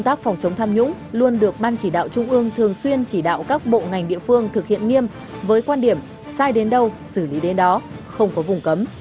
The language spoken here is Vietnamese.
thực hiện nghiêm với quan điểm sai đến đâu xử lý đến đó không có vùng cấm